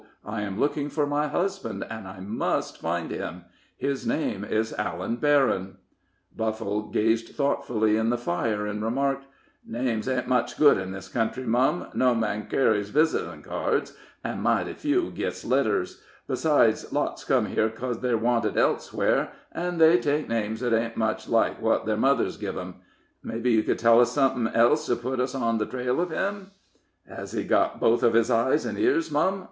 I am looking for my husband, and I must find him. His name is Allan Berryn." Buffle gazed thoughtfully in the fire, and remarked: "Names ain't much good in this country, mum no man kerries visitin' cards, an' mighty few gits letters. Besides, lots comes here 'cos they're wanted elsewhere, an' they take names that ain't much like what their mothers giv 'em. Mebbe you could tell us somethin' else to put us on the trail of him?" "Hez he got both of his eyes an' ears, mum?"